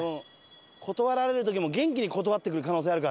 断られる時も元気に断ってくる可能性あるからね。